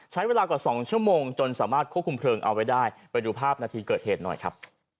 ใช้เวลากว่า๒ชั่วโมงจนสามารถควบคุมเพลิงเอาไว้ได้ไปดูภาพนาทีเกิดเหตุหน่อยครับ